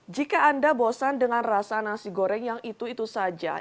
jika anda bosan dengan rasa nasi goreng yang itu itu saja